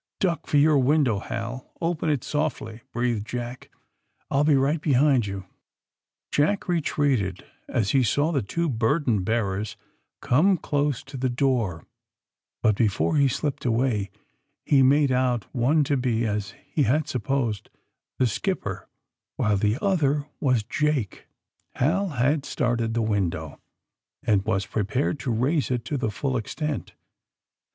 Duck for your window, Hal! Open it softly," breathed Jack. I'll be right behind you!' 80 THE SUBMARINE BOYS Jack retreated as lie saw the two burden bear ers come close to the door, but before he slipped away he made out one to be, as he had supposed, the skipper, while the other was Jake. Hal had started the window, and was prepared to raise it to the full extent.